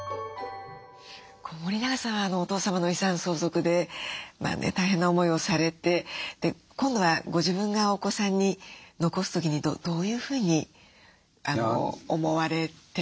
森永さんはお父様の遺産相続で大変な思いをされて今度はご自分がお子さんに残す時にどういうふうに思われてらっしゃいますか？